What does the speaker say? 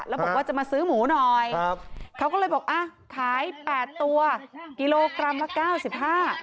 แล้วบอกว่าจะมาซื้อหมูหน่อยเค้าก็เลยบอกขาย๘ตัวกิโลกรัมละ๙๕